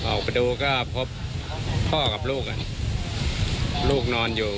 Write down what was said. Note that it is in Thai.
ออกไปดูก็พบพ่อกับลูกก่อน